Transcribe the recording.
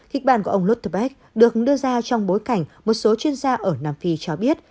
kịch bản của ông lottebeck được đưa ra trong bối cảnh một số chuyên gia ở nam phi cho biết